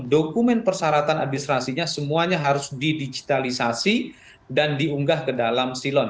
dokumen persyaratan administrasinya semuanya harus didigitalisasi dan diunggah ke dalam silon